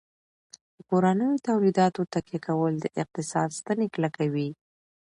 په کورنیو تولیداتو تکیه کول د اقتصاد ستنې کلکوي.